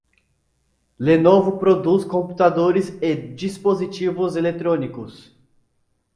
Lenovo produz computadores e dispositivos eletrônicos.